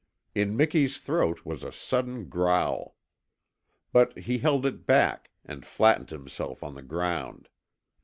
In Miki's throat was a sullen growl. But he held it back, and flattened himself on the ground.